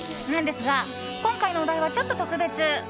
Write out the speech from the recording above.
なんですが今回のお題はちょっと特別。